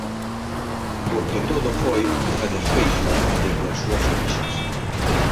Porque todo foi unha desfeita desde as súas orixes.